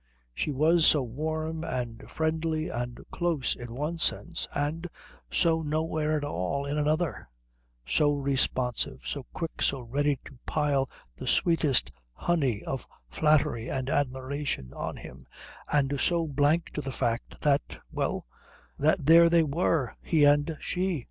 She was so warm and friendly and close in one sense, and so nowhere at all in another; so responsive, so quick, so ready to pile the sweetest honey of flattery and admiration on him, and so blank to the fact that well, that there they were, he and she.